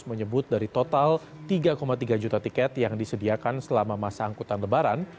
menyebut dari total tiga tiga juta tiket yang disediakan selama masa angkutan lebaran